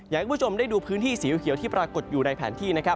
อย่างคุณผู้ชมได้ดูพื้นที่สีเยาว์เหลือที่ประกดอยู่ในแผนที่